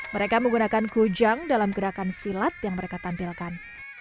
mereka menggunakan kujang dalam gerakan silat yang mereka tampilkan